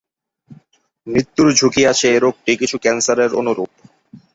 মৃত্যুর ঝুঁকি আছে এ রোগটি কিছু ক্যান্সারের অনুরূপ।